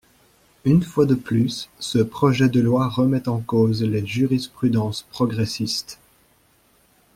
Une fois de plus, ce projet de loi remet en cause les jurisprudences progressistes.